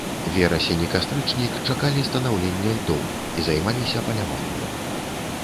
Верасень і кастрычнік чакалі станаўлення льдоў і займаліся паляваннем.